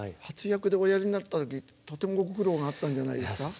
初役でおやりになったりとてもご苦労があったんじゃないですか。